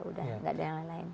udah nggak ada yang lain lain